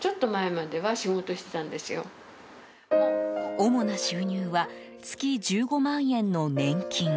主な収入は月１５万円の年金。